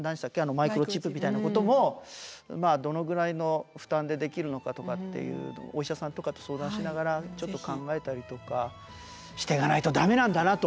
マイクロチップみたいなこともどのぐらいの負担でできるのかとかっていうのをお医者さんとかと相談しながらちょっと考えたりとかしてかないと駄目なんだなと。